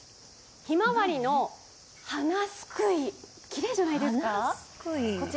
ひまわりの花すくい、きれいじゃないですか？